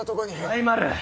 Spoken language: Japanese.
大丸！